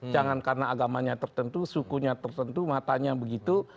jangan karena agamanya tertentu sukunya tertentu matanya begitu